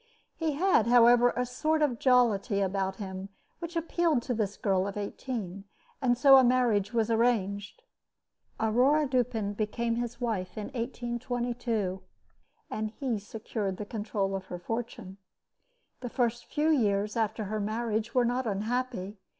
He had, however, a sort of jollity about him which appealed to this girl of eighteen; and so a marriage was arranged. Aurore Dupin became his wife in 1822, and he secured the control of her fortune. The first few years after her marriage were not unhappy.